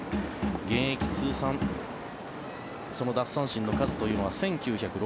現役通算その奪三振の数というのは１９６１。